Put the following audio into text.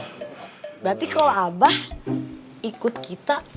berarti kalau abah ikut kita